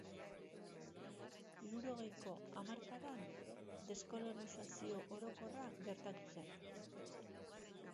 Hirurogeiko hamarkadan deskolonizazio orokorra gertatu zen.